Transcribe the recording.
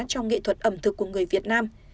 trong nghệ thuật ẩm thực của người việt nam